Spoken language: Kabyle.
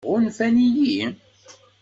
Ɣunfant-iyi?